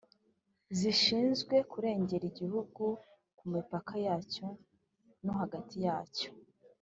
zishinzwe kurengera igihugu ku mipaka yacyo no hagati yacyo